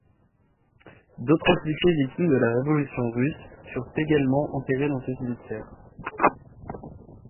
D'autres officiers victimes de la Révolution russe furent également enterrés dans ce cimetière.